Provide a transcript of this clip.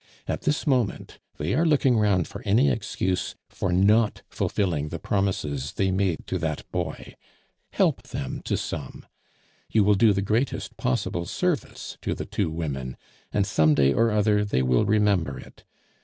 At this moment they are looking round for any excuse for not fulfilling the promises they made to that boy. Help them to some; you will do the greatest possible service to the two women, and some day or other they will remember it.